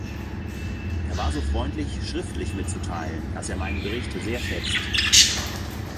Er war so freundlich, schriftlich mitzuteilen, dass er meinen Bericht sehr schätzt.